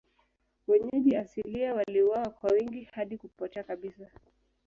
Wenyeji asilia waliuawa kwa wingi hadi kupotea kabisa.